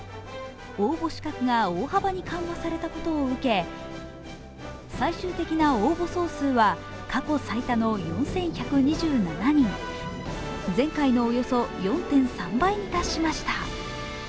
応募資格が大幅に緩和されたことを受け、最終的な応募総数は過去最多の４１２７人前回のおよそ４．３倍に達しました。